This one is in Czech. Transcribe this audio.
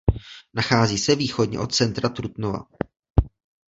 Nachází se východně od centra Trutnova.